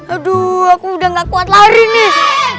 aduh aku udah gak kuat lari nih